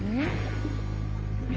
え？